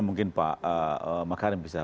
mungkin pak makarim bisa